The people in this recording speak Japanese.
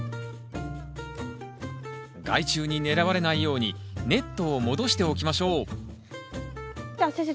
害虫に狙われないようにネットを戻しておきましょうじゃあ先生